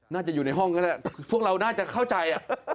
น่าจะอยู่ในห้องก็ได้พวกเราน่าจะเข้าใจ